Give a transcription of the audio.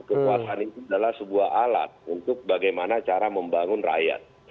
kekuasaan itu adalah sebuah alat untuk bagaimana cara membangun rakyat